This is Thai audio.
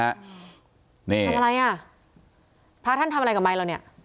อะไรอ่ะพระท่านทำอะไรกับไม้แล้วเนี่ย